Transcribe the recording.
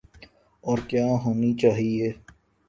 اور کیا ہونی چاہیے۔